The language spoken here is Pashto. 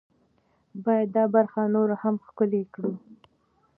باید دا برخه نوره هم ښکلې کړو.